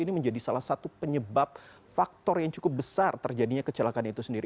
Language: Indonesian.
ini menjadi salah satu penyebab faktor yang cukup besar terjadinya kecelakaan itu sendiri